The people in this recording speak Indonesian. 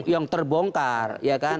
yang terbongkar ya kan